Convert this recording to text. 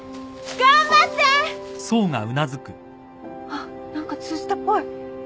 あっ何か通じたっぽい！